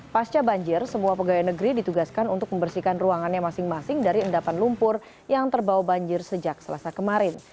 pasca banjir semua pegawai negeri ditugaskan untuk membersihkan ruangannya masing masing dari endapan lumpur yang terbawa banjir sejak selasa kemarin